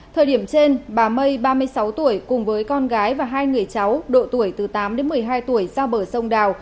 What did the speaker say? thời điểm trên bà mây ba mươi sáu tuổi cùng với con gái và hai người cháu độ tuổi từ tám đến một mươi hai tuổi ra bờ sông đào